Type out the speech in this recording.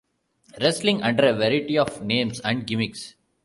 Wrestling under a variety of names and gimmicks.